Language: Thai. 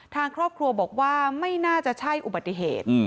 ทางครอบครัวบอกว่าไม่น่าจะใช่อุบัติเหตุ